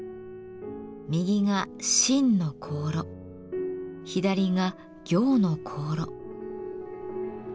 右が「真」の香炉左が「行」の香炉。